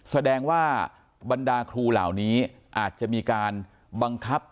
แสดงว่าบรรดาครูเหล่านี้อาจจะมีการบังคับ